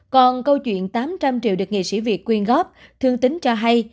còn câu chuyện tám trăm linh triệu được nghị sĩ việt quyên góp thương tín cho hay